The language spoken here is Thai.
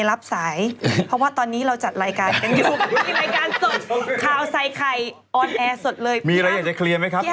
อะพี่อ้ามอะ